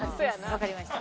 わかりました。